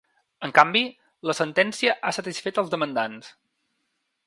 En canvi, la sentència ha satisfet els demandants.